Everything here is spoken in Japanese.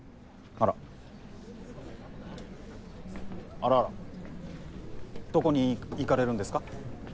あらあらどこに行かれるんですか？